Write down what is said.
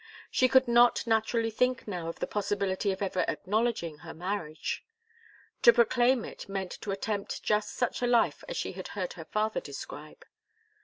She could not naturally think now of the possibility of ever acknowledging her marriage. To proclaim it meant to attempt just such a life as she had heard her father describe.